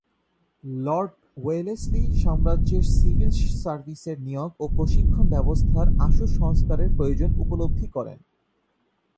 Lord Wellesley সাম্রাজ্যের civil সার্ভিসের নিয়োগ ও প্রশিক্ষণ ব্যবস্থার আশু সংস্কারের প্রয়োজন উপলব্ধি করেন।